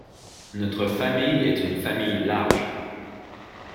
Notre famille est une famille large.